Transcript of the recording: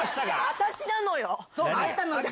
私なのよ！